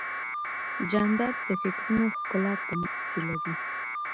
جانداد د فکرونو ښکلا تمثیلوي.